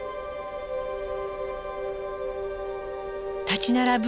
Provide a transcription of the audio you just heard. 立ち並ぶ